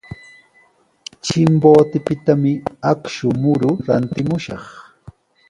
Chimbotepitami akshu muru rantimushaq.